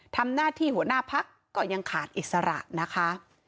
ทำหน้าที่หัวหน้าพักก็ยังขาดอิสระนะคะ